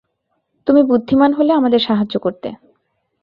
তুমি বুদ্ধিমান হলে, আমাদের সাহায্য করতে।